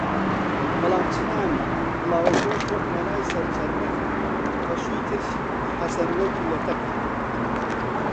بەڵام چ نانێک، پڵاو گشت وەک مەلای سەرچەرمگ تەشوی ترشی حەسەن وەگی لە تەکا